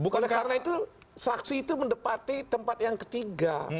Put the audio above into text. karena itu saksi itu mendepati tempat yang ketiga